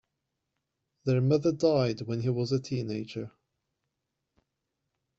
Their mother died when he was a teenager.